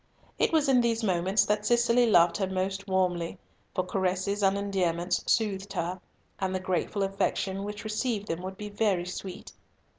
It was in these moments that Cicely loved her most warmly, for caresses and endearments soothed her, and the grateful affection which received them would be very sweet.